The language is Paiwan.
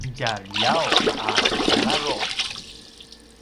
djaljaw a tjaladruq